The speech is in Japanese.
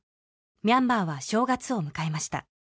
ミャンマーは正月を迎えました